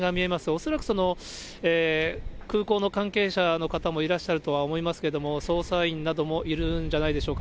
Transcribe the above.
恐らく空港の関係者の方もいらっしゃるとは思いますけれども、捜査員などもいるんじゃないでしょうか。